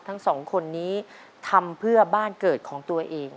ทั้งสองคนนี้ทำเพื่อบ้านเกิดของตัวเอง